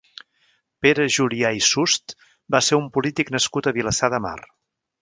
Pere Julià i Sust va ser un polític nascut a Vilassar de Mar.